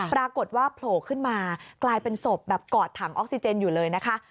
ปรากฏว่าโผล่ขึ้นมากลายเป็นศพแบบกอดถังออกซิเจนอยู่เลยนะคะ